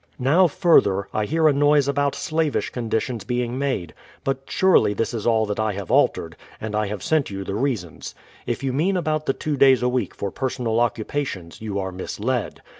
Now, further, I hear a noise about slavish conditions being made ; but surely this is all that I have altered, and I have sent you the reasons. If you mean about the two days a week for per sonal occupations, you are misled.